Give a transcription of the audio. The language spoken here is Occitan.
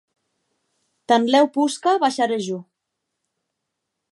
Tanlèu posca baisharè jo.